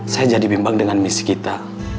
saya jadi bimbang dengan misi kita